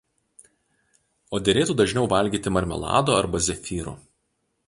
O derėtų dažniau valgyti marmelado arba zefyrų